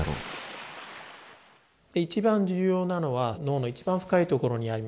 一番重要なのは脳の一番深いところにあります